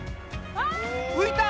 浮いた！